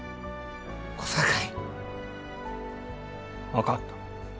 分かった。